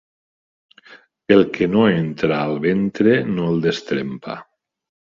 El que no entra al ventre no el destrempa.